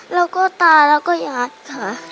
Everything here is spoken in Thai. แล้วก็ตาแล้วก็ญาติค่ะ